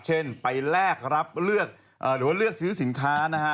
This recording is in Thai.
เช่นไปแลกรับเลือกหรือว่าเลือกซื้อสินค้านะฮะ